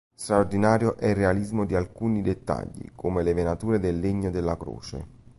Straordinario è il realismo di alcuni dettagli, come le venature del legno della croce.